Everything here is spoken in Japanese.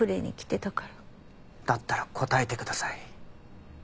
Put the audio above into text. だったら答えてください。